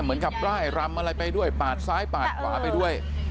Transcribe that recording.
เหมือนกับรำอะไรไปด้วยปากซ้ายปากขวาไปด้วย